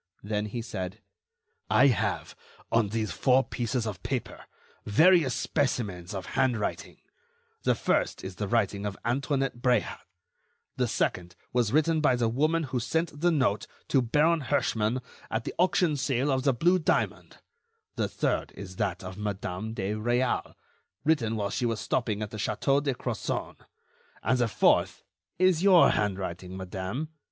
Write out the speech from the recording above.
Then he said: "I have, on these four pieces of paper, various specimens of handwriting; the first is the writing of Antoinette Bréhat; the second was written by the woman who sent the note to Baron Herschmann at the auction sale of the blue diamond; the third is that of Madame de Réal, written while she was stopping at the Château de Crozon; and the fourth is your handwriting, madame